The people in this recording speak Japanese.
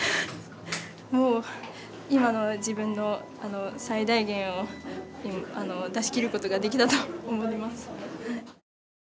もう今の自分の最大限を出し切ることができたと思います。